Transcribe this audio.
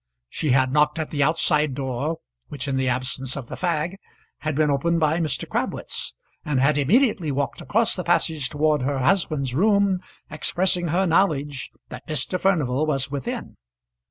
She had knocked at the outside door, which, in the absence of the fag, had been opened by Mr. Crabwitz, and had immediately walked across the passage towards her husband's room, expressing her knowledge that Mr. Furnival was within.